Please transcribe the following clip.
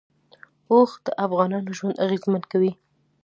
اوښ د افغانانو ژوند اغېزمن کوي.